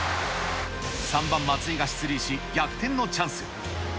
３番松井が出塁し、逆転のチャンス。